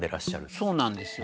そうなんですよ。